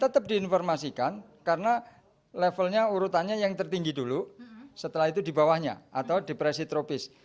tetap diinformasikan karena levelnya urutannya yang tertinggi dulu setelah itu di bawahnya atau depresi tropis